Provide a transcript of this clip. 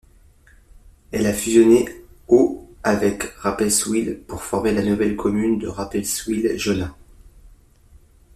Elle a fusionné au avec Rapperswil pour former la nouvelle commune de Rapperswil-Jona.